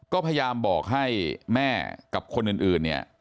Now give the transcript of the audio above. ก็พยายามบอกให้แม่กับคนอื่นเนี่ย